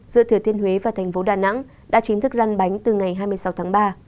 giữa thừa thiên huế và thành phố đà nẵng đã chính thức răn bánh từ ngày hai mươi sáu tháng ba